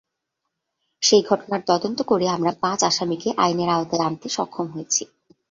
সেই ঘটনায় তদন্ত করে আমরা পাঁচ আসামিকে আইনের আওতায় আনতে সক্ষম হয়েছি।